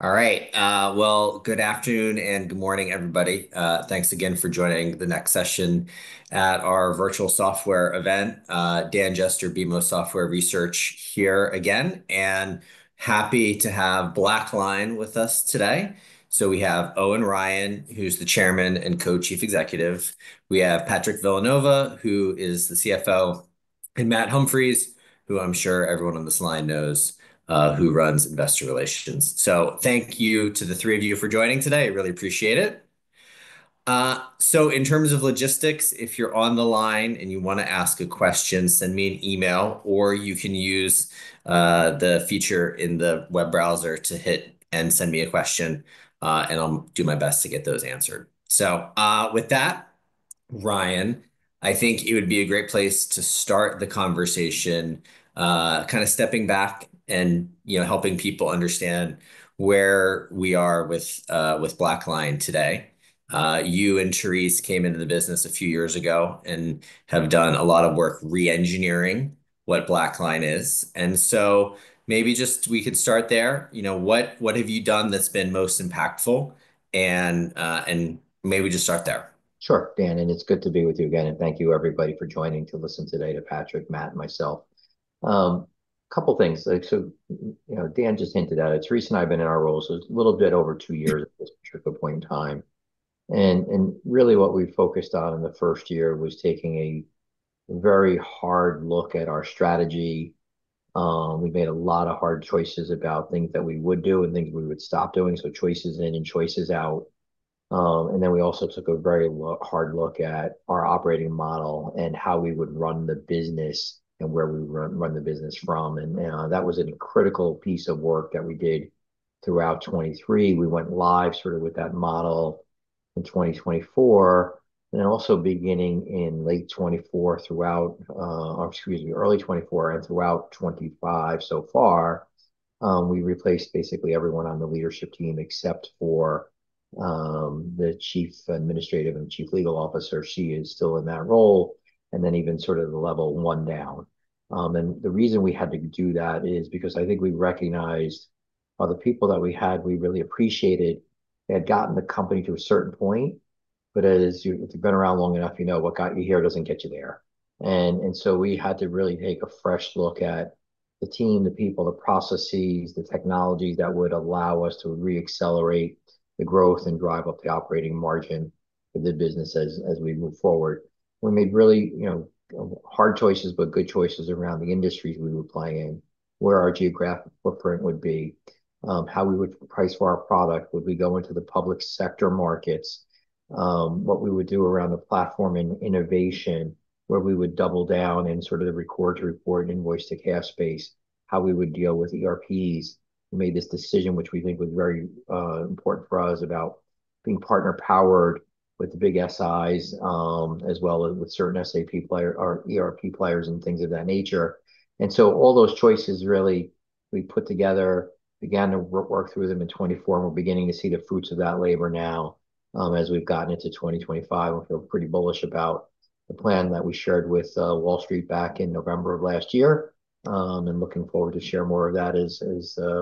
All right. Good afternoon and good morning, everybody. Thanks again for joining the next session at our virtual software event. Dan Jester, BMO Software Research, here again, and happy to have BlackLine with us today. We have Owen Ryan, who's the Chairman and Co-Chief Executive. We have Patrick Villanova, who is the CFO, and Matt Humphries, who I'm sure everyone on this line knows, who runs Investor Relations. Thank you to the three of you for joining today. I really appreciate it. In terms of logistics, if you're on the line and you want to ask a question, send me an email, or you can use the feature in the web browser to hit and send me a question, and I'll do my best to get those answered. With that, Ryan, I think it would be a great place to start the conversation, kind of stepping back and helping people understand where we are with BlackLine today. You and Therese came into the business a few years ago and have done a lot of work re-engineering what BlackLine is. Maybe just we could start there. What have you done that's been most impactful? Maybe we just start there. Sure, Dan. It is good to be with you again. Thank you, everybody, for joining to listen today to Patrick, Matt, and myself. A couple of things. Dan just hinted at it. Therese and I have been in our roles a little bit over two years at this particular point in time. Really, what we focused on in the first year was taking a very hard look at our strategy. We made a lot of hard choices about things that we would do and things we would stop doing, so choices in and choices out. We also took a very hard look at our operating model and how we would run the business and where we run the business from. That was a critical piece of work that we did throughout 2023. We went live sort of with that model in 2024, and then also beginning in late 2024, throughout or excuse me, early 2024, and throughout 2025 so far, we replaced basically everyone on the leadership team except for the Chief Administrative and Chief Legal Officer. She is still in that role, and then even sort of the level one down. The reason we had to do that is because I think we recognized the people that we had, we really appreciated, had gotten the company to a certain point. As you have been around long enough, you know what got you here does not get you there. We had to really take a fresh look at the team, the people, the processes, the technologies that would allow us to re-accelerate the growth and drive up the operating margin of the business as we move forward. We made really hard choices, but good choices around the industries we would play in, where our geographic footprint would be, how we would price for our product, would we go into the public sector markets, what we would do around the platform and innovation, where we would double down and sort of record to report and invoice to cash space, how we would deal with ERPs. We made this decision, which we think was very important for us, about being partner-powered with the big SIs as well as with certain SAP players or ERP players and things of that nature. All those choices really we put together, began to work through them in 2024, and we're beginning to see the fruits of that labor now as we've gotten into 2025. We feel pretty bullish about the plan that we shared with Wall Street back in November of last year, and looking forward to share more of that as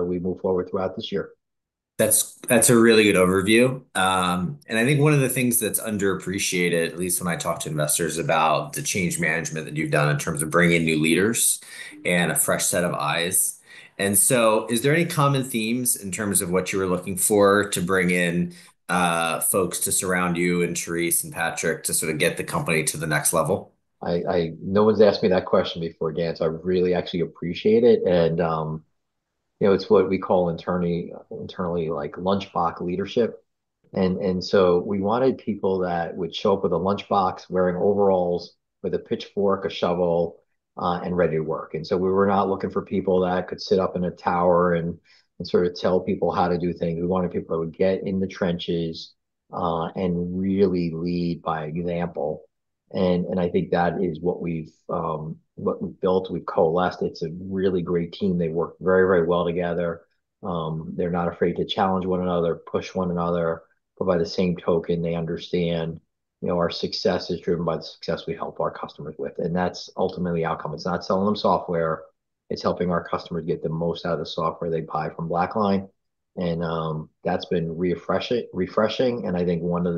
we move forward throughout this year. That's a really good overview. I think one of the things that's underappreciated, at least when I talk to investors, is the change management that you've done in terms of bringing in new leaders and a fresh set of eyes. Is there any common themes in terms of what you were looking for to bring in folks to surround you and Therese and Patrick to sort of get the company to the next level? No one's asked me that question before, Dan, so I really actually appreciate it. It's what we call internally lunchbox leadership. We wanted people that would show up with a lunchbox wearing overalls with a pitchfork, a shovel, and ready to work. We were not looking for people that could sit up in a tower and sort of tell people how to do things. We wanted people that would get in the trenches and really lead by example. I think that is what we've built. We've coalesced. It's a really great team. They work very, very well together. They're not afraid to challenge one another, push one another. By the same token, they understand our success is driven by the success we help our customers with. That's ultimately the outcome. It's not selling them software. It's helping our customers get the most out of the software they buy from BlackLine. That's been refreshing. I think one of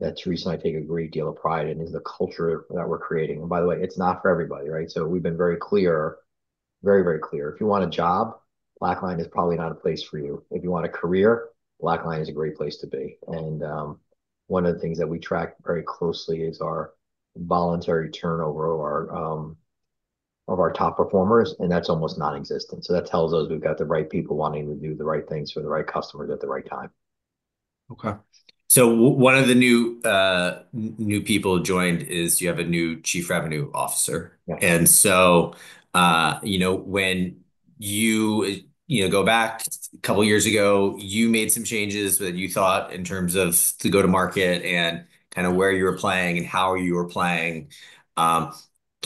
the things that Therese and I take a great deal of pride in is the culture that we're creating. By the way, it's not for everybody, right? We've been very clear, very, very clear. If you want a job, BlackLine is probably not a place for you. If you want a career, BlackLine is a great place to be. One of the things that we track very closely is our voluntary turnover of our top performers, and that's almost nonexistent. That tells us we've got the right people wanting to do the right things for the right customers at the right time. Okay. So one of the new people joined is you have a new Chief Revenue Officer. And so when you go back a couple of years ago, you made some changes that you thought in terms of the go-to-market and kind of where you were playing and how you were playing. Can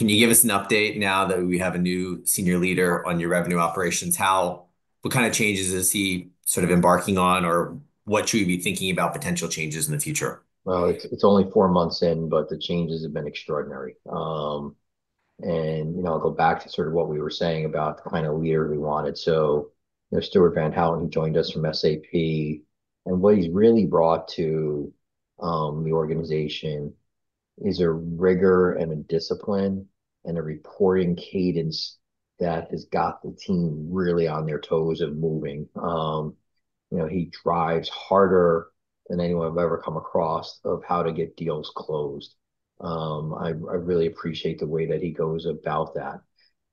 you give us an update now that we have a new senior leader on your revenue operations? What kind of changes is he sort of embarking on, or what should we be thinking about potential changes in the future? It is only four months in, but the changes have been extraordinary. I will go back to sort of what we were saying about the kind of leader we wanted. Stuart Van Houten joined us from SAP. What he has really brought to the organization is a rigor and a discipline and a reporting cadence that has got the team really on their toes and moving. He drives harder than anyone I have ever come across of how to get deals closed. I really appreciate the way that he goes about that.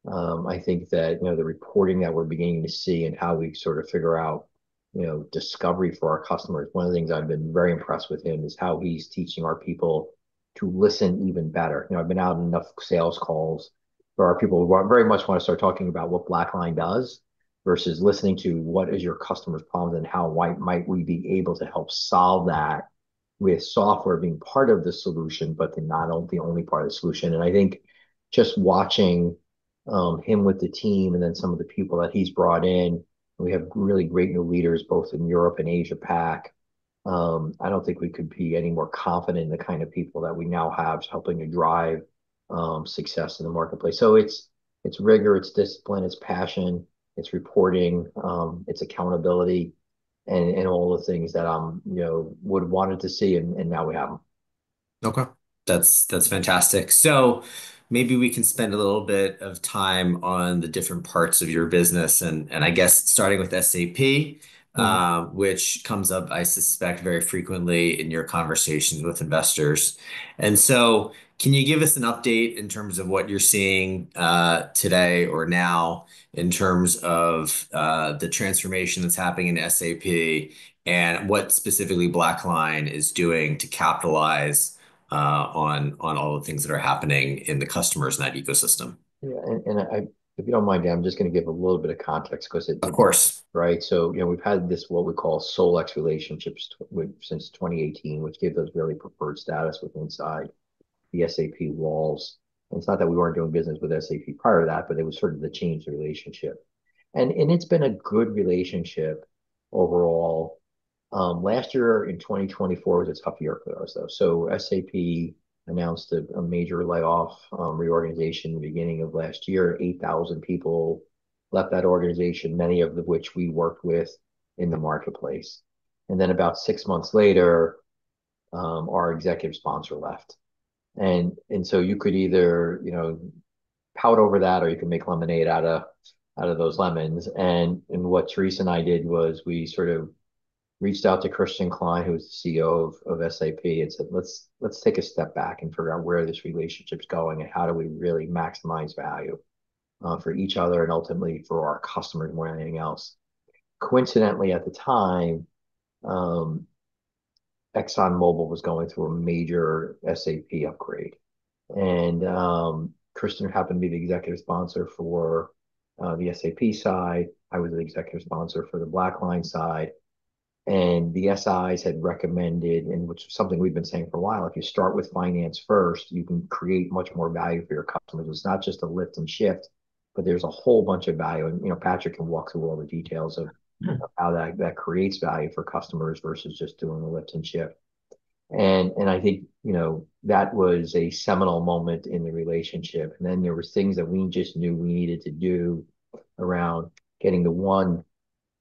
I think that the reporting that we are beginning to see and how we sort of figure out discovery for our customers, one of the things I have been very impressed with him is how he is teaching our people to listen even better. I've been out on enough sales calls for our people who very much want to start talking about what BlackLine does versus listening to what is your customer's problems and how might we be able to help solve that with software being part of the solution, but not the only part of the solution. I think just watching him with the team and then some of the people that he's brought in, we have really great new leaders both in Europe and Asia-Pacific. I don't think we could be any more confident in the kind of people that we now have helping to drive success in the marketplace. It's rigor, it's discipline, it's passion, it's reporting, it's accountability, and all the things that I would have wanted to see, and now we have them. Okay. That's fantastic. Maybe we can spend a little bit of time on the different parts of your business. I guess starting with SAP, which comes up, I suspect, very frequently in your conversations with investors. Can you give us an update in terms of what you're seeing today or now in terms of the transformation that's happening in SAP and what specifically BlackLine is doing to capitalize on all the things that are happening in the customers' net ecosystem? Yeah. If you don't mind, Dan, I'm just going to give a little bit of context because. Of course. Right? So we've had this, what we call SolEx relationship since 2018, which gave us really preferred status within the SAP walls. It is not that we were not doing business with SAP prior to that, but it was sort of the change relationship. It has been a good relationship overall. Last year in 2024 was a tough year for us, though. SAP announced a major layoff reorganization at the beginning of last year. 8,000 people left that organization, many of whom we worked with in the marketplace. About six months later, our executive sponsor left. You could either pout over that or you could make lemonade out of those lemons. What Therese and I did was we sort of reached out to Christian Klein, who was the CEO of SAP, and said, "Let's take a step back and figure out where this relationship's going and how do we really maximize value for each other and ultimately for our customers more than anything else." Coincidentally, at the time, ExxonMobil was going through a major SAP upgrade. Christian happened to be the executive sponsor for the SAP side. I was the executive sponsor for the BlackLine side. The SIs had recommended, and which is something we've been saying for a while, if you start with finance first, you can create much more value for your customers. It's not just a lift and shift, but there's a whole bunch of value. Patrick can walk through all the details of how that creates value for customers versus just doing a lift and shift. I think that was a seminal moment in the relationship. There were things that we just knew we needed to do around getting the one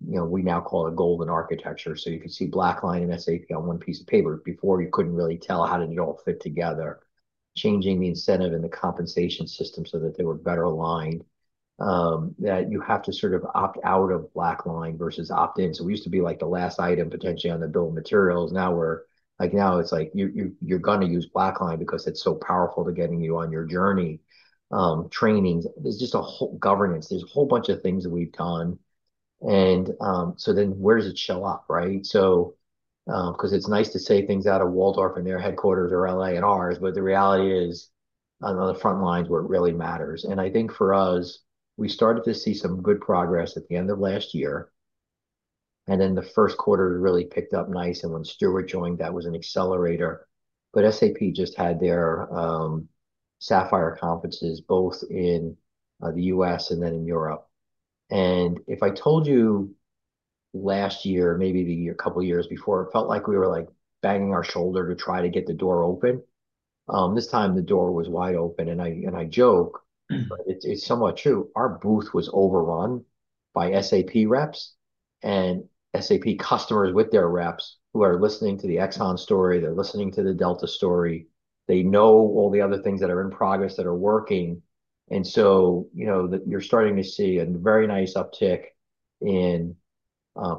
we now call a golden architecture. You could see BlackLine and SAP on one piece of paper. Before, you could not really tell how it all fit together. Changing the incentive and the compensation system so that they were better aligned, that you have to sort of opt out of BlackLine versus opt in. We used to be like the last item potentially on the bill of materials. Now it is like you are going to use BlackLine because it is so powerful to getting you on your journey. Trainings. There is just a whole governance. There's a whole bunch of things that we've done. So then where does it show up, right? Because it's nice to say things out of Walldorf in their headquarters or Los Angeles and ours, but the reality is on the front lines where it really matters. I think for us, we started to see some good progress at the end of last year. Then the first quarter really picked up nice. When Stuart joined, that was an accelerator. SAP just had their Sapphire conferences both in the U.S. and then in Europe. If I told you last year, maybe a couple of years before, it felt like we were banging our shoulder to try to get the door open. This time, the door was wide open. I joke, but it's somewhat true. Our booth was overrun by SAP reps and SAP customers with their reps who are listening to the Exxon story. They're listening to the Delta story. They know all the other things that are in progress that are working. You are starting to see a very nice uptick in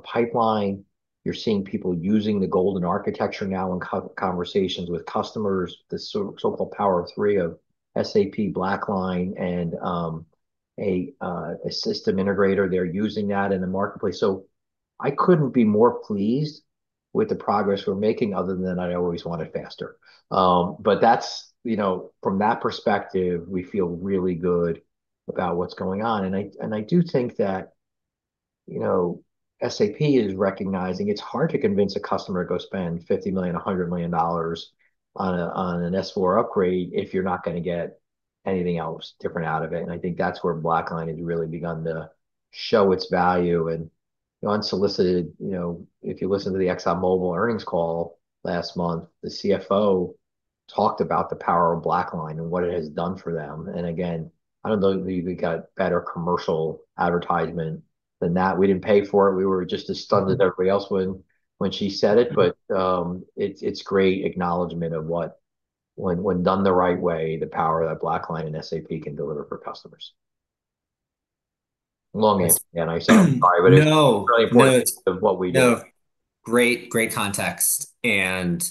pipeline. You are seeing people using the Golden Architecture now in conversations with customers, the so-called power of three of SAP, BlackLine, and a system integrator. They are using that in the marketplace. I could not be more pleased with the progress we are making other than I always want it faster. From that perspective, we feel really good about what is going on. I do think that SAP is recognizing it is hard to convince a customer to go spend $50 million-$100 million on an S/4 upgrade if you are not going to get anything else different out of it. I think that's where BlackLine has really begun to show its value. Unsolicited, if you listen to the ExxonMobil earnings call last month, the CFO talked about the power of BlackLine and what it has done for them. I don't know that we've got better commercial advertisement than that. We didn't pay for it. We were just as stunned as everybody else when she said it. It's great acknowledgment of what, when done the right way, the power that BlackLine and SAP can deliver for customers. Long answer, Dan. I'm sorry. No. It's really important to what we do. Great context. And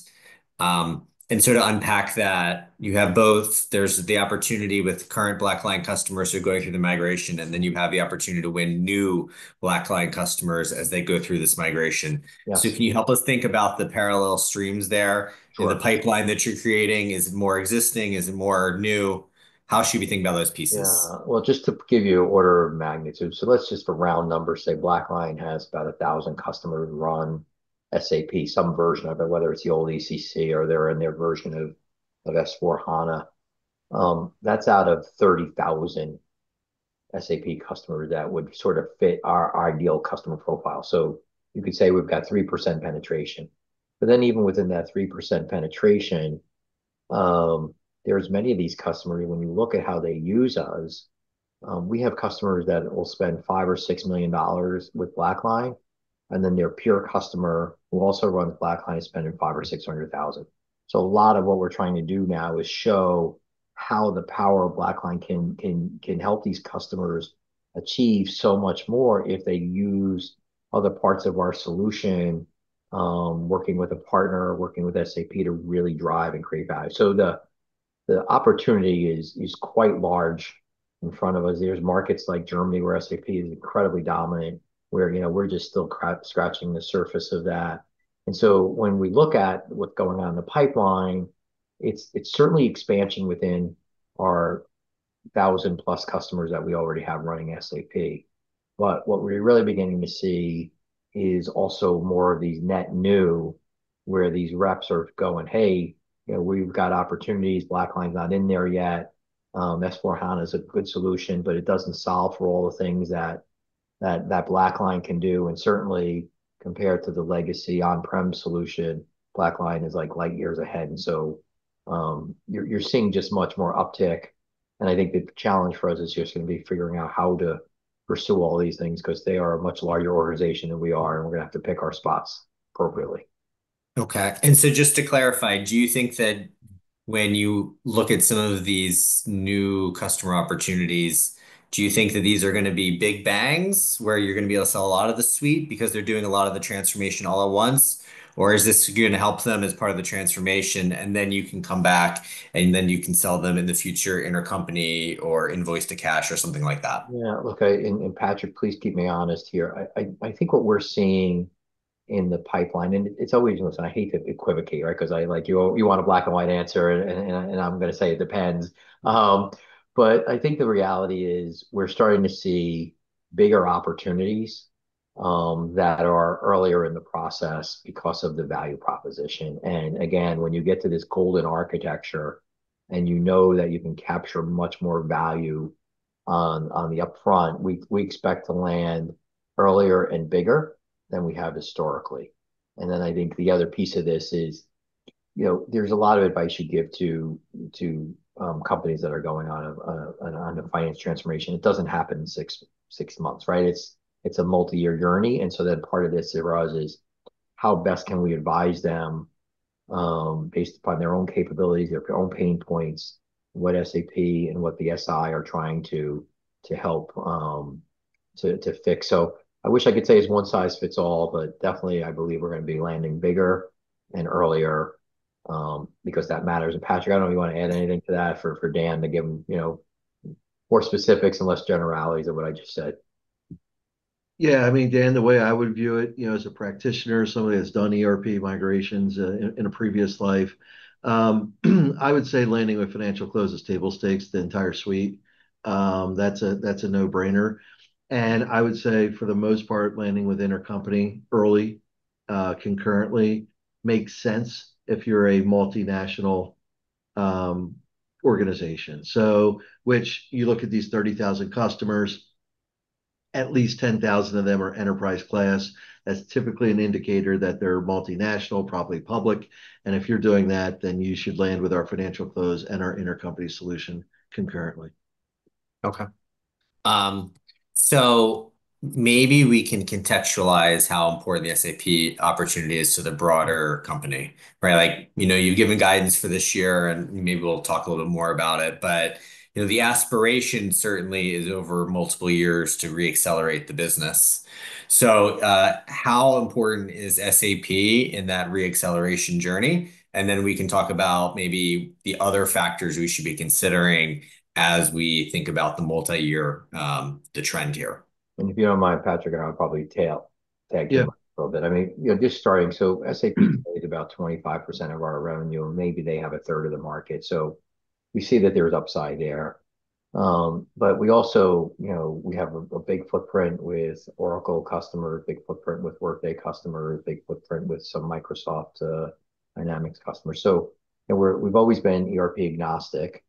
sort of unpack that. You have both, there's the opportunity with current BlackLine customers who are going through the migration, and then you have the opportunity to win new BlackLine customers as they go through this migration. Can you help us think about the parallel streams there? Is the pipeline that you're creating more existing? Is it more new? How should we think about those pieces? Yeah. Just to give you an order of magnitude, let's just for round numbers say BlackLine has about 1,000 customers run SAP, some version of it, whether it's the old ECC or they're in their version of S/4HANA. That's out of 30,000 SAP customers that would sort of fit our ideal customer profile. You could say we've got 3% penetration. Even within that 3% penetration, there's many of these customers. When you look at how they use us, we have customers that will spend $5 million or $6 million with BlackLine, and then their peer customer who also runs BlackLine is spending $500,000 or $600,000. A lot of what we're trying to do now is show how the power of BlackLine can help these customers achieve so much more if they use other parts of our solution, working with a partner, working with SAP to really drive and create value. The opportunity is quite large in front of us. There are markets like Germany where SAP is incredibly dominant, where we're just still scratching the surface of that. When we look at what's going on in the pipeline, it's certainly expansion within our 1,000+ customers that we already have running SAP. What we're really beginning to see is also more of these net new where these reps are going, "Hey, we've got opportunities. BlackLine's not in there yet. S/4HANA is a good solution, but it doesn't solve for all the things that BlackLine can do. Certainly, compared to the legacy on-prem solution, BlackLine is light years ahead. You're seeing just much more uptick. I think the challenge for us this year is going to be figuring out how to pursue all these things because they are a much larger organization than we are, and we're going to have to pick our spots appropriately. Okay. Just to clarify, do you think that when you look at some of these new customer opportunities, do you think that these are going to be big bangs where you're going to be able to sell a lot of the suite because they're doing a lot of the transformation all at once? Is this going to help them as part of the transformation, and then you can come back, and then you can sell them in the future intercompany or Invoice to Cash or something like that? Yeah. Okay. And Patrick, please keep me honest here. I think what we're seeing in the pipeline, and it's always—listen, I hate to equivocate, right? Because you want a black-and-white answer, and I'm going to say it depends. I think the reality is we're starting to see bigger opportunities that are earlier in the process because of the value proposition. Again, when you get to this golden architecture and you know that you can capture much more value on the upfront, we expect to land earlier and bigger than we have historically. I think the other piece of this is there's a lot of advice you give to companies that are going on a finance transformation. It doesn't happen in six months, right? It's a multi-year journey. Part of this arises how best can we advise them based upon their own capabilities, their own pain points, what SAP and what the SI are trying to help to fix. I wish I could say it's one size fits all, but definitely, I believe we're going to be landing bigger and earlier because that matters. Patrick, I do not know if you want to add anything to that for Dan to give more specifics and less generalities of what I just said. Yeah. I mean, Dan, the way I would view it as a practitioner, somebody that's done ERP migrations in a previous life, I would say landing with Financial Close is table stakes, the entire suite. That's a no-brainer. I would say for the most part, landing with Intercompany early concurrently makes sense if you're a multinational organization. You look at these 30,000 customers, at least 10,000 of them are enterprise class. That's typically an indicator that they're multinational, probably public. If you're doing that, then you should land with our Financial Close and our Intercompany solution concurrently. Okay. So maybe we can contextualize how important the SAP opportunity is to the broader company, right? You've given guidance for this year, and maybe we'll talk a little bit more about it. The aspiration certainly is over multiple years to re-accelerate the business. How important is SAP in that re-acceleration journey? Then we can talk about maybe the other factors we should be considering as we think about the multi-year trend here. If you do not mind, Patrick, and I will probably tail a little bit. I mean, just starting, SAP is about 25% of our revenue. Maybe they have a third of the market. We see that there is upside there. We also have a big footprint with Oracle customers, big footprint with Workday customers, big footprint with some Microsoft Dynamics customers. We have always been ERP agnostic,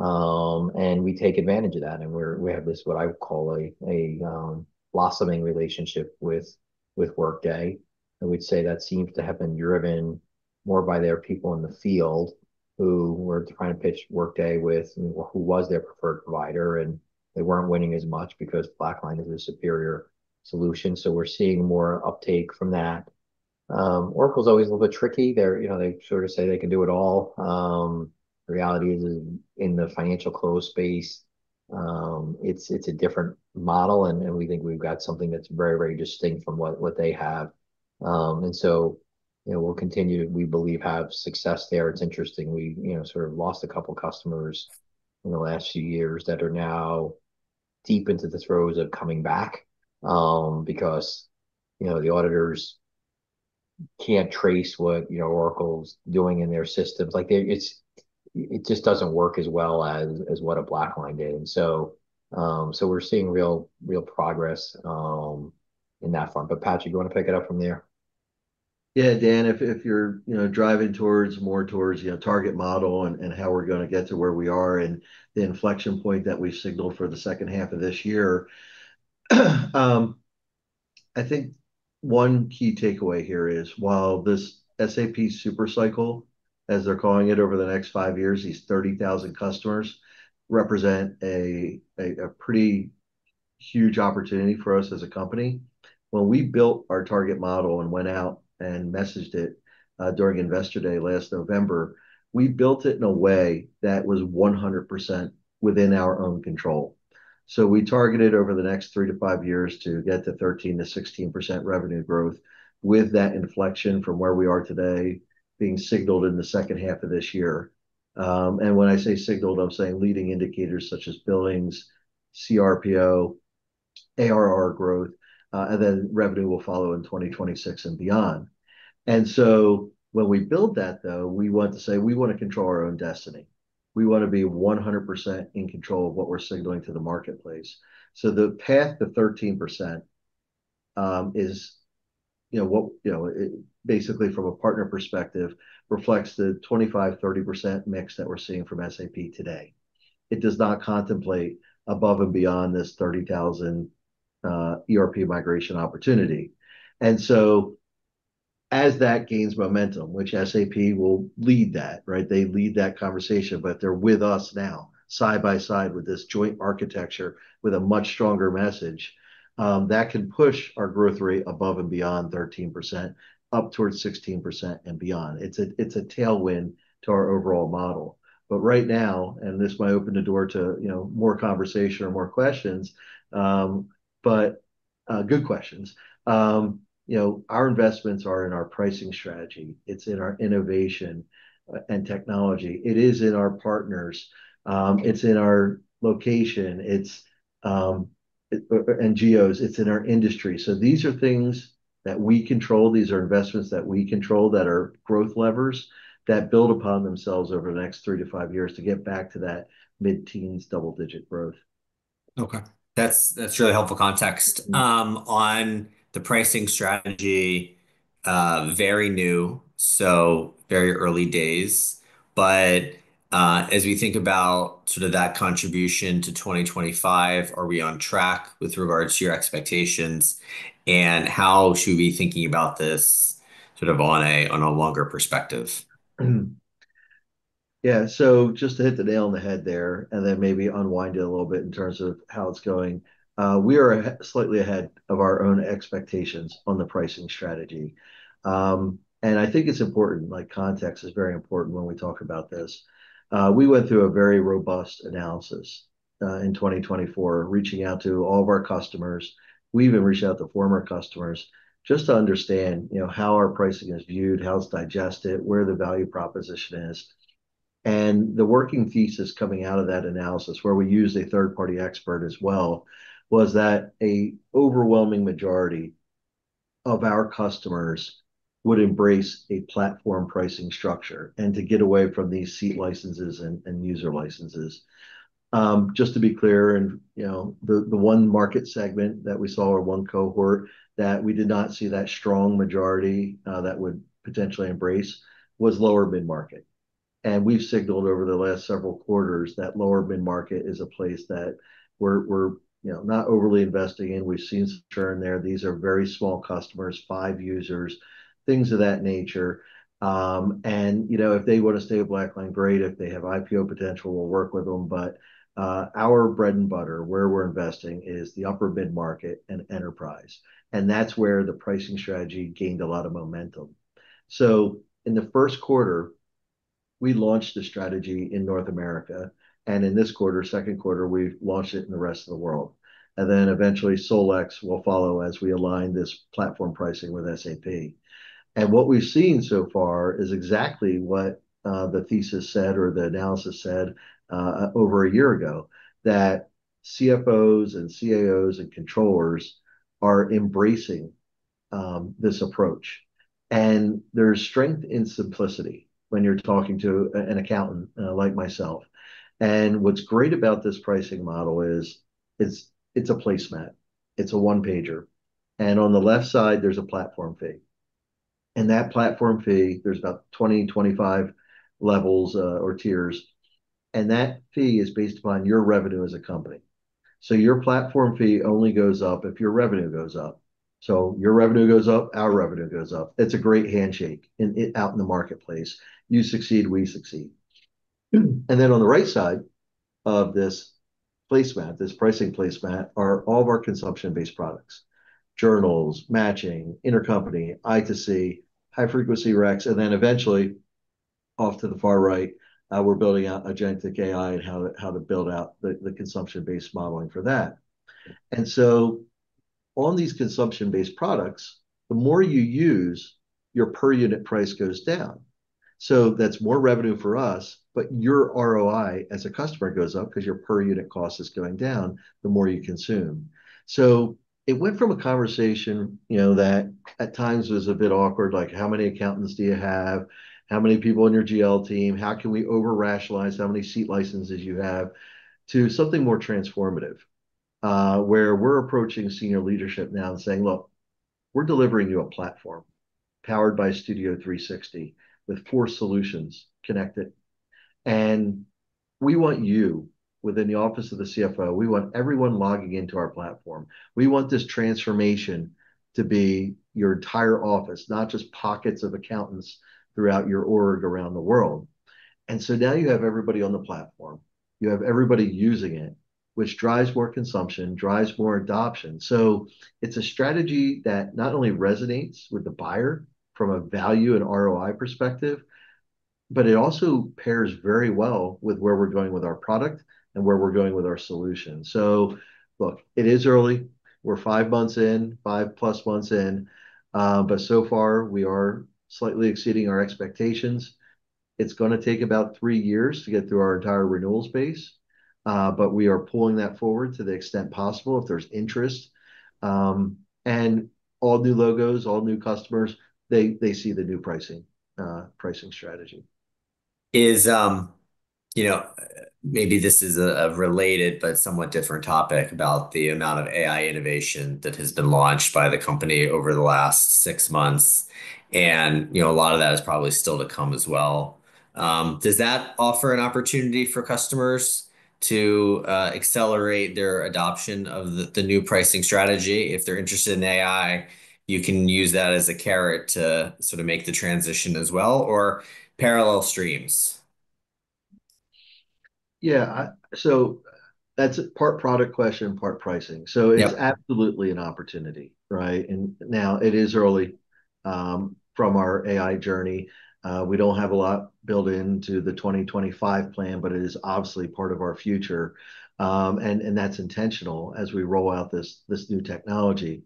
and we take advantage of that. We have this, what I would call, a blossoming relationship with Workday. We would say that seems to have been driven more by their people in the field who were trying to pitch Workday with who was their preferred provider. They were not winning as much because BlackLine is a superior solution. We are seeing more uptake from that. Oracle is always a little bit tricky. They sort of say they can do it all. The reality is in the financial close space, it's a different model. We think we've got something that's very, very distinct from what they have. We will continue, we believe, to have success there. It's interesting. We sort of lost a couple of customers in the last few years that are now deep into the throes of coming back because the auditors can't trace what Oracle is doing in their systems. It just doesn't work as well as what a BlackLine did. We're seeing real progress in that front. Patrick, do you want to pick it up from there? Yeah, Dan, if you're driving more towards target model and how we're going to get to where we are and the inflection point that we've signaled for the second half of this year, I think one key takeaway here is while this SAP supercycle, as they're calling it, over the next five years, these 30,000 customers represent a pretty huge opportunity for us as a company. When we built our target model and went out and messaged it during Investor Day last November, we built it in a way that was 100% within our own control. So we targeted over the next three to five years to get to 13%-16% revenue growth with that inflection from where we are today being signaled in the second half of this year. When I say signaled, I'm saying leading indicators such as billings, CRPO, ARR growth, and then revenue will follow in 2026 and beyond. When we build that, though, we want to say we want to control our own destiny. We want to be 100% in control of what we're signaling to the marketplace. The path to 13% is basically, from a partner perspective, reflects the 25-30% mix that we're seeing from SAP today. It does not contemplate above and beyond this 30,000 ERP migration opportunity. As that gains momentum, which SAP will lead that, right? They lead that conversation, but they're with us now side by side with this joint architecture with a much stronger message that can push our growth rate above and beyond 13%, up towards 16% and beyond. It's a tailwind to our overall model. Right now, and this might open the door to more conversation or more questions, but good questions. Our investments are in our pricing strategy. It is in our innovation and technology. It is in our partners. It is in our location and geos. It is in our industry. These are things that we control. These are investments that we control that are growth levers that build upon themselves over the next three to five years to get back to that mid-teens double-digit growth. Okay. That's really helpful context. On the pricing strategy, very new, so very early days. As we think about sort of that contribution to 2025, are we on track with regards to your expectations? How should we be thinking about this sort of on a longer perspective? Yeah. Just to hit the nail on the head there and then maybe unwind it a little bit in terms of how it's going, we are slightly ahead of our own expectations on the pricing strategy. I think it's important, context is very important when we talk about this. We went through a very robust analysis in 2024, reaching out to all of our customers. We even reached out to former customers just to understand how our pricing is viewed, how it's digested, where the value proposition is. The working thesis coming out of that analysis, where we used a third-party expert as well, was that an overwhelming majority of our customers would embrace a platform pricing structure and to get away from these seat licenses and user licenses. Just to be clear, the one market segment that we saw or one cohort that we did not see that strong majority that would potentially embrace was lower mid-market. We have signaled over the last several quarters that lower mid-market is a place that we are not overly investing in. We have seen some churn there. These are very small customers, five users, things of that nature. If they want to stay with BlackLine, great. If they have IPO potential, we will work with them. Our bread and butter, where we are investing, is the upper mid-market and enterprise. That is where the pricing strategy gained a lot of momentum. In the first quarter, we launched the strategy in North America. In this quarter, second quarter, we have launched it in the rest of the world. Eventually, Solex will follow as we align this platform pricing with SAP. What we've seen so far is exactly what the thesis said or the analysis said over a year ago, that CFOs and CAOs and controllers are embracing this approach. There's strength in simplicity when you're talking to an accountant like myself. What's great about this pricing model is it's a placemat. It's a one-pager. On the left side, there's a platform fee. That platform fee, there's about 20-25 levels or tiers. That fee is based upon your revenue as a company. Your platform fee only goes up if your revenue goes up. Your revenue goes up, our revenue goes up. It's a great handshake out in the marketplace. You succeed, we succeed. On the right side of this placemat, this pricing placemat, are all of our consumption-based products: journals, matching, intercompany, I2C, high-frequency racks. Then eventually, off to the far right, we're building out agentic AI and how to build out the consumption-based modeling for that. On these consumption-based products, the more you use, your per-unit price goes down. That is more revenue for us, but your ROI as a customer goes up because your per-unit cost is going down the more you consume. It went from a conversation that at times was a bit awkward, like how many accountants do you have, how many people in your GL team, how can we over-rationalize how many seat licenses you have, to something more transformative where we're approaching senior leadership now and saying, "Look, we're delivering you a platform powered by Studio 360 with four solutions connected. We want you within the office of the CFO. We want everyone logging into our platform. We want this transformation to be your entire office, not just pockets of accountants throughout your org around the world. You have everybody on the platform. You have everybody using it, which drives more consumption, drives more adoption. It is a strategy that not only resonates with the buyer from a value and ROI perspective, but it also pairs very well with where we're going with our product and where we're going with our solution. It is early. We're five months in, five plus months in. So far, we are slightly exceeding our expectations. It's going to take about three years to get through our entire renewal space. We are pulling that forward to the extent possible if there's interest. All new logos, all new customers, they see the new pricing strategy. Maybe this is a related but somewhat different topic about the amount of AI innovation that has been launched by the company over the last six months. A lot of that is probably still to come as well. Does that offer an opportunity for customers to accelerate their adoption of the new pricing strategy? If they're interested in AI, you can use that as a carrot to sort of make the transition as well or parallel streams. Yeah. That is a part product question, part pricing. It is absolutely an opportunity, right? Now it is early from our AI journey. We do not have a lot built into the 2025 plan, but it is obviously part of our future. That is intentional as we roll out this new technology.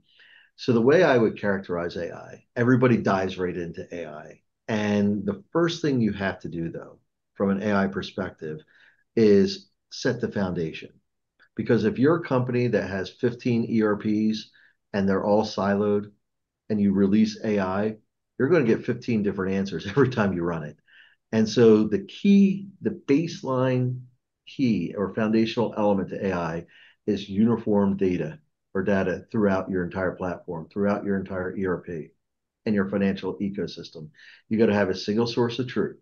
The way I would characterize AI, everybody dives right into AI. The first thing you have to do, though, from an AI perspective, is set the foundation. Because if you are a company that has 15 ERPs and they are all siloed and you release AI, you are going to get 15 different answers every time you run it. The key, the baseline key or foundational element to AI is uniform data or data throughout your entire platform, throughout your entire ERP and your financial ecosystem. You have to have a single source of truth.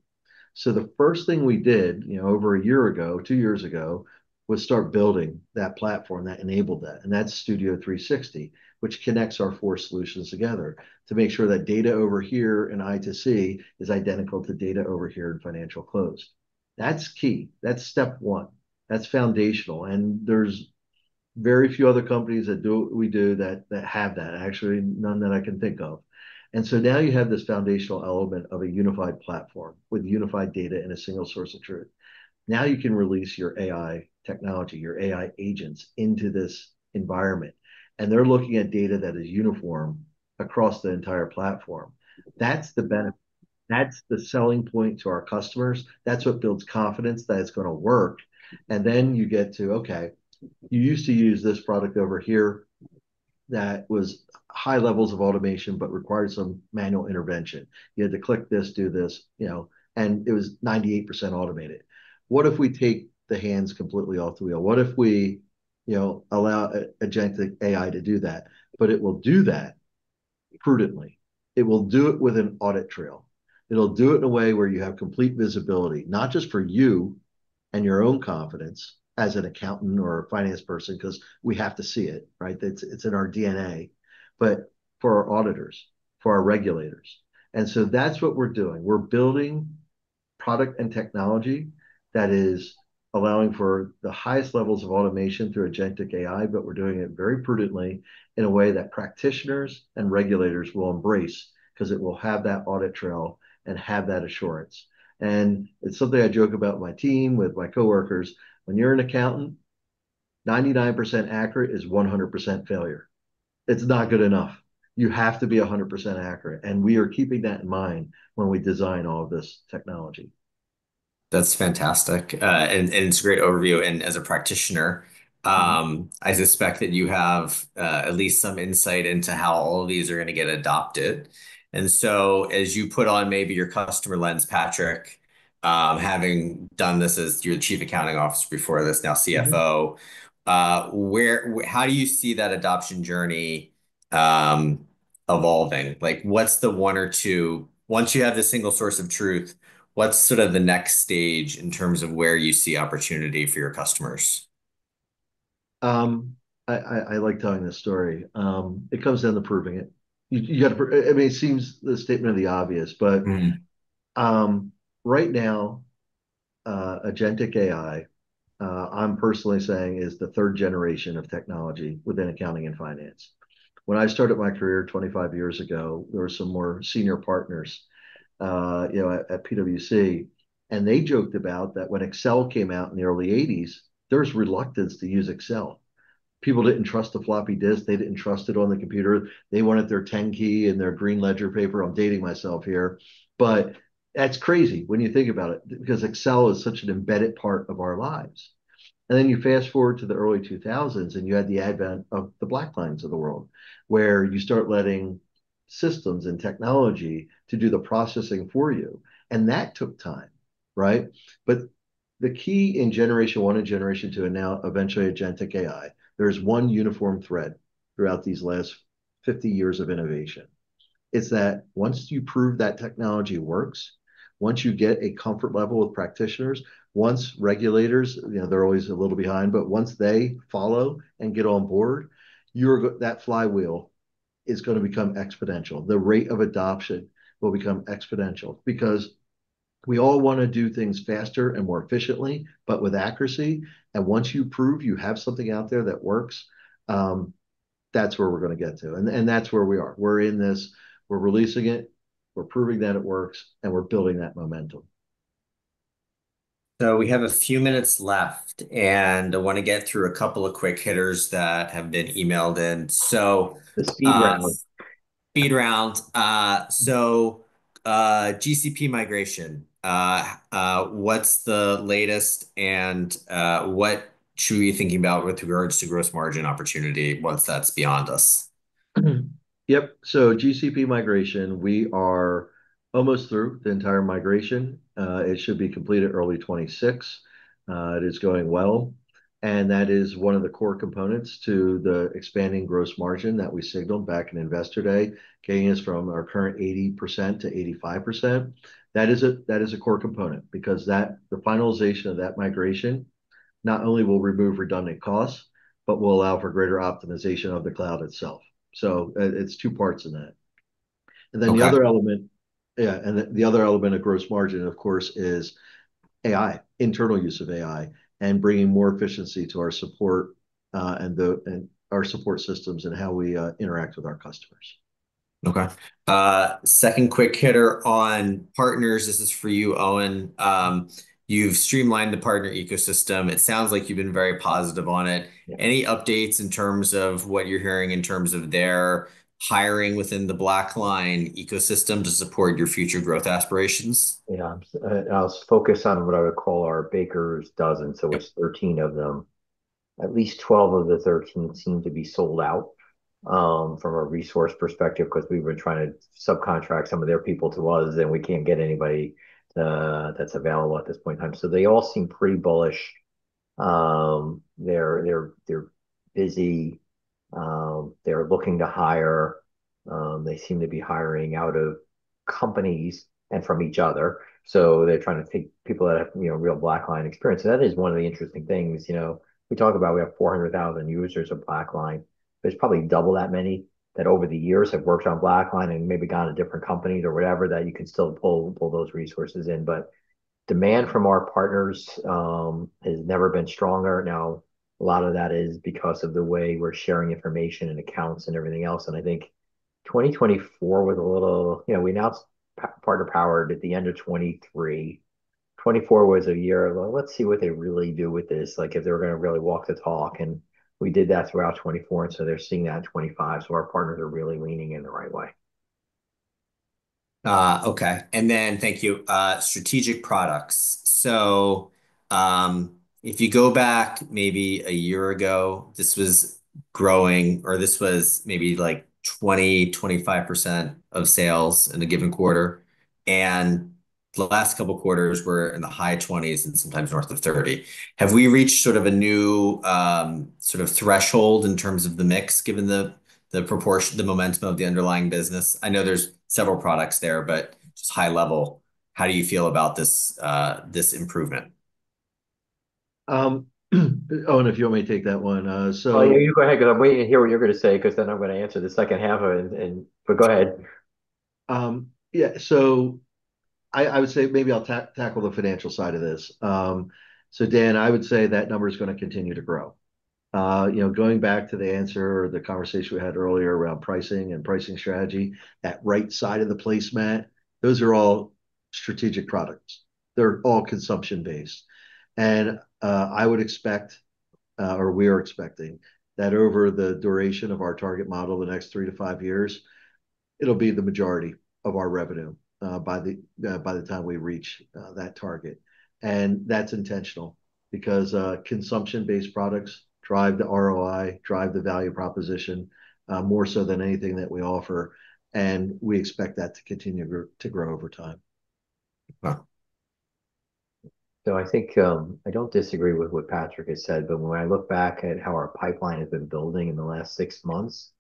The first thing we did over a year ago, two years ago, was start building that platform that enabled that. That is Studio 360, which connects our four solutions together to make sure that data over here in I2C is identical to data over here in Financial Close. That is key. That is step one. That is foundational. There are very few other companies that we do that have that, actually, none that I can think of. Now you have this foundational element of a unified platform with unified data and a single source of truth. Now you can release your AI technology, your AI agents into this environment. They are looking at data that is uniform across the entire platform. That is the benefit. That is the selling point to our customers. That is what builds confidence that it is going to work. You get to, okay, you used to use this product over here that was high levels of automation, but required some manual intervention. You had to click this, do this. It was 98% automated. What if we take the hands completely off the wheel? What if we allow agentic AI to do that? It will do that prudently. It will do it with an audit trail. It will do it in a way where you have complete visibility, not just for you and your own confidence as an accountant or a finance person, because we have to see it, right? It is in our DNA, but for our auditors, for our regulators. That is what we are doing. We're building product and technology that is allowing for the highest levels of automation through agentic AI, but we're doing it very prudently in a way that practitioners and regulators will embrace because it will have that audit trail and have that assurance. It's something I joke about with my team, with my coworkers. When you're an accountant, 99% accurate is 100% failure. It's not good enough. You have to be 100% accurate. We are keeping that in mind when we design all of this technology. That's fantastic. It's a great overview. As a practitioner, I suspect that you have at least some insight into how all of these are going to get adopted. As you put on maybe your customer lens, Patrick, having done this as your Chief Accounting Officer before this, now CFO, how do you see that adoption journey evolving? What's the one or two? Once you have the single source of truth, what's sort of the next stage in terms of where you see opportunity for your customers? I like telling this story. It comes down to proving it. I mean, it seems the statement of the obvious, but right now, agentic AI, I'm personally saying, is the third generation of technology within accounting and finance. When I started my career 25 years ago, there were some more senior partners at PwC, and they joked about that when Excel came out in the early 1980s, there was reluctance to use Excel. People didn't trust the floppy disk. They didn't trust it on the computer. They wanted their 10 key and their Green Ledger paper. I'm dating myself here. That is crazy when you think about it, because Excel is such an embedded part of our lives. You fast forward to the early 2000s, and you had the advent of the BlackLines of the world, where you start letting systems and technology do the processing for you. That took time, right? The key in generation one and generation two and now eventually agentic AI, there is one uniform thread throughout these last 50 years of innovation. It is that once you prove that technology works, once you get a comfort level with practitioners, once regulators, they are always a little behind, but once they follow and get on board, that flywheel is going to become exponential. The rate of adoption will become exponential because we all want to do things faster and more efficiently, but with accuracy. Once you prove you have something out there that works, that is where we are going to get to. That is where we are. We are in this. We're releasing it. We're proving that it works, and we're building that momentum. We have a few minutes left, and I want to get through a couple of quick hitters that have been emailed in. Speed round. GCP migration, what's the latest, and what should we be thinking about with regards to gross margin opportunity once that's beyond us? Yep. GCP migration, we are almost through the entire migration. It should be completed early 2026. It is going well. That is one of the core components to the expanding gross margin that we signaled back in Investor Day. Gain is from our current 80% to 85%. That is a core component because the finalization of that migration not only will remove redundant costs, but will allow for greater optimization of the cloud itself. It is two parts in that. Then the other element. That's great. Yeah. The other element of gross margin, of course, is AI, internal use of AI, and bringing more efficiency to our support and our support systems and how we interact with our customers. Okay. Second quick hitter on partners. This is for you, Owen. You've streamlined the partner ecosystem. It sounds like you've been very positive on it. Any updates in terms of what you're hearing in terms of their hiring within the BlackLine ecosystem to support your future growth aspirations? Yeah. I'll focus on what I would call our Baker's Dozen. So it's 13 of them. At least 12 of the 13 seem to be sold out from a resource perspective because we've been trying to subcontract some of their people to us, and we can't get anybody that's available at this point in time. They all seem pretty bullish. They're busy. They're looking to hire. They seem to be hiring out of companies and from each other. They're trying to take people that have real BlackLine experience. That is one of the interesting things. We talk about we have 400,000 users of BlackLine. There's probably double that many that over the years have worked on BlackLine and maybe gone to different companies or whatever that you can still pull those resources in. Demand from our partners has never been stronger. Now, a lot of that is because of the way we're sharing information and accounts and everything else. I think 2024 was a little we announced Partner Power at the end of 2023. 2024 was a year, "Let's see what they really do with this," like if they were going to really walk the talk. We did that throughout 2024. They are seeing that in 2025. Our partners are really leaning in the right way. Okay. Thank you. Strategic products. If you go back maybe a year ago, this was growing, or this was maybe like 20%-25% of sales in a given quarter. In the last couple of quarters, we are in the high 20s and sometimes north of 30. Have we reached sort of a new threshold in terms of the mix, given the momentum of the underlying business? I know there are several products there, but just high level, how do you feel about this improvement? Owen, if you want me to take that one. So. Oh, you go ahead, because I'm waiting to hear what you're going to say, because then I'm going to answer the second half of it. Go ahead. Yeah. I would say maybe I'll tackle the financial side of this. Dan, I would say that number is going to continue to grow. Going back to the answer or the conversation we had earlier around pricing and pricing strategy, that right side of the placement, those are all strategic products. They're all consumption-based. I would expect, or we are expecting, that over the duration of our target model, the next three to five years, it'll be the majority of our revenue by the time we reach that target. That's intentional because consumption-based products drive the ROI, drive the value proposition more so than anything that we offer. We expect that to continue to grow over time. I think I don't disagree with what Patrick has said, but when I look back at how our pipeline has been building in the last six months,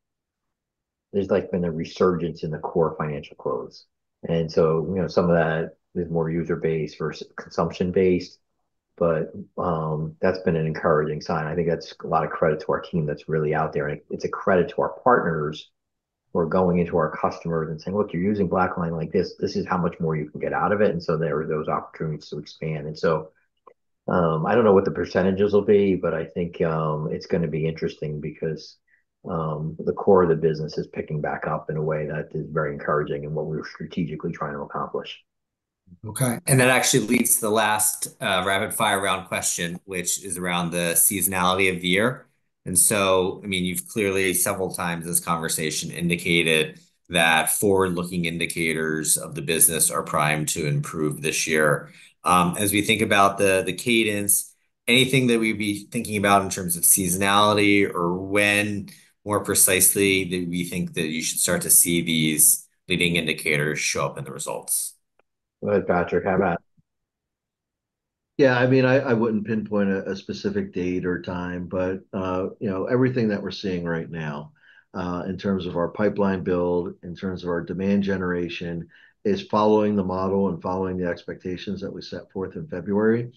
there's been a resurgence in the core Financial Close. Some of that is more user-based versus consumption-based, but that's been an encouraging sign. I think that's a lot of credit to our team that's really out there. It's a credit to our partners who are going into our customers and saying, "Look, you're using BlackLine like this. This is how much more you can get out of it." There are those opportunities to expand. I don't know what the percentages will be, but I think it's going to be interesting because the core of the business is picking back up in a way that is very encouraging in what we're strategically trying to accomplish. Okay. That actually leads to the last rapid-fire round question, which is around the seasonality of the year. I mean, you've clearly several times in this conversation indicated that forward-looking indicators of the business are primed to improve this year. As we think about the cadence, anything that we'd be thinking about in terms of seasonality or when more precisely do we think that you should start to see these leading indicators show up in the results? Go ahead, Patrick. How about? Yeah. I mean, I would not pinpoint a specific date or time, but everything that we are seeing right now in terms of our pipeline build, in terms of our demand generation, is following the model and following the expectations that we set forth in February.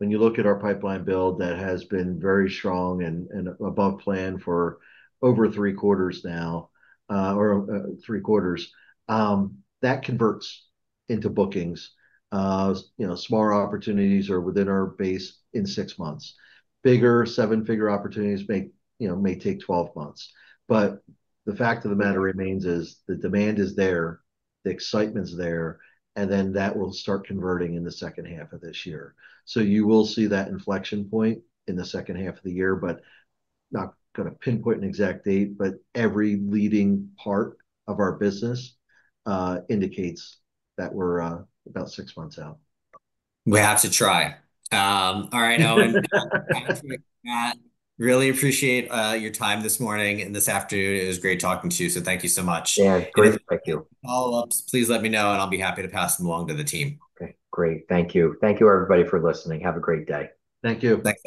When you look at our pipeline build, that has been very strong and above plan for over three quarters now, or three quarters, that converts into bookings. Smaller opportunities are within our base in six months. Bigger, seven-figure opportunities may take 12 months. The fact of the matter remains is the demand is there, the excitement is there, and then that will start converting in the second half of this year. You will see that inflection point in the second half of the year, but not going to pinpoint an exact date, but every leading part of our business indicates that we're about six months out. We have to try. All right, Owen. Really appreciate your time this morning and this afternoon. It was great talking to you. Thank you so much. Yeah. Great to talk to you. Any follow-ups, please let me know, and I'll be happy to pass them along to the team. Okay. Great. Thank you. Thank you, everybody, for listening. Have a great day. Thank you. Thanks.